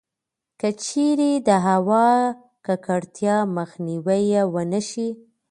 کـچـېرې د هوا کـکړتيا مخنيـوی يـې ونـه شـي٫